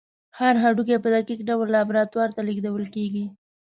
هر هډوکی په دقیق ډول لابراتوار ته لیږدول کېږي.